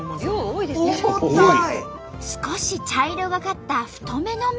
少し茶色がかった太めの麺。